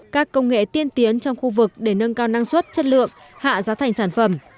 các công nghệ tiên tiến trong khu vực để nâng cao năng suất chất lượng hạ giá thành sản phẩm